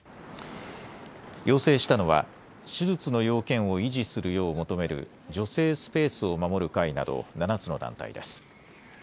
要請したのは手術の要件を維持するよう求める女性スペースを守る会など７つの団体です。